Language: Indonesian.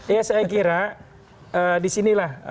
ya saya kira disinilah